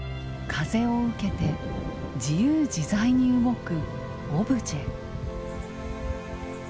風を受けて自由自在に動くオブジェ。